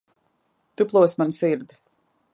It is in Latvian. Tu plosi manu sirdi.